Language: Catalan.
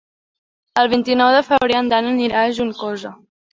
El vint-i-nou de febrer en Dan anirà a Juncosa.